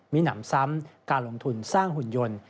มีหนำซ้ำการลงทุนสร้างหุ่นยนต์